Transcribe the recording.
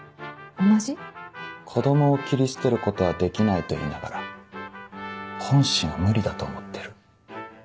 子供を切り捨てることはできないと言いながら本心は無理だと思ってる。